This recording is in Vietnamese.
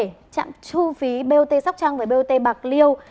xả trạm thu phí bot sóc trăng và bot bạc liêu